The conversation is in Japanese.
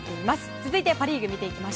続いて、パ・リーグです。